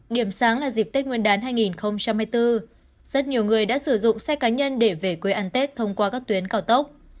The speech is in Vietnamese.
điểm sáng là dịp tết nguyên đán hai nghìn hai mươi bốn rất nhiều người đã sử dụng xe cá nhân để về quê ăn tết thông qua các tuyến cao tốc